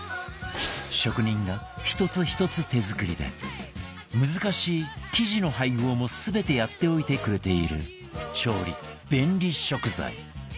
職人が１つ１つ手作りで難しい生地の配合も全てやっておいてくれている調理便利食材